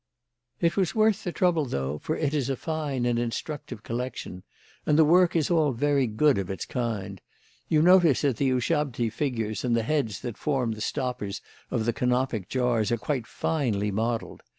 "It was worth the trouble, though, for it is a fine and instructive collection. And the work is all very good of its kind. You notice that the Ushabti figures and the heads that form the stoppers of the Canopic jars are quite finely modelled.